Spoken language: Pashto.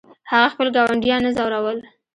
هغه خپل ګاونډیان نه ځورول.